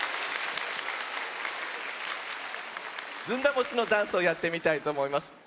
ずんだもちのダンスをやってみたいとおもいます。